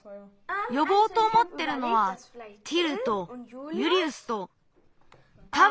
よぼうとおもってるのはティルとユリウスとたぶんダヴィッド。